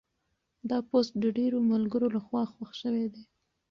دا پوسټ د ډېرو ملګرو لخوا خوښ شوی دی.